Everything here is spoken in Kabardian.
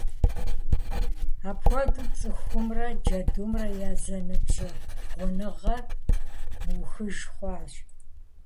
Апхуэдэу цӀыхумрэ джэдумрэ я зэныбжьэгъуныгъэр мыухыж хъуащ.